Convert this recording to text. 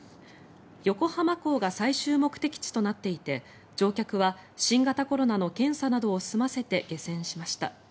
横浜港が最終目的地となっていて乗客は新型コロナの検査などを済ませて、下船しました。